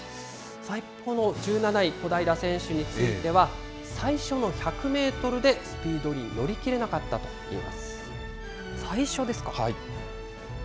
一方の１７位、小平選手については、最初の１００メートルでスピードに乗り切れなかったとい最初ですか。